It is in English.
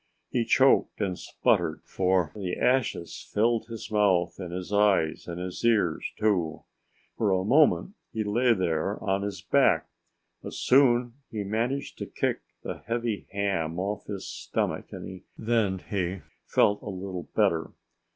He choked and spluttered; for the ashes filled his mouth and his eyes, and his ears, too. For a moment he lay there on his back; but soon he managed to kick the heavy ham off his stomach and then he felt a little better.